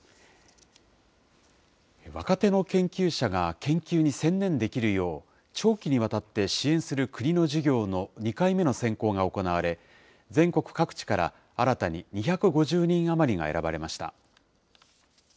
若手の研究者が研究に専念できるよう、長期にわたって支援する国の事業の２回目の選考が行われ、全国各地から新たに２５０人余りが選ばれました。